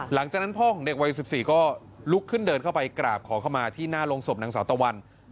หลังจากนั้นพ่อของเด็กวัย๑๔ก็ลุกขึ้นเดินเข้าไปกราบขอเข้ามาที่หน้าโรงศพนางสาวตะวัน